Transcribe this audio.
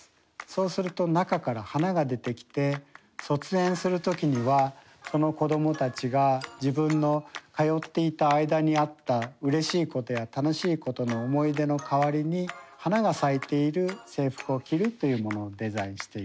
そうすると中から花が出てきて卒園する時にはその子どもたちが自分の通っていた間にあったうれしいことや楽しいことの思い出の代わりに花が咲いている制服を着るというものをデザインしています。